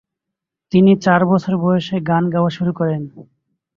তিনি চার বছর বয়সে গান গাওয়া শুরু করেন।